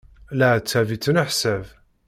Leɛtab i ttneḥsab.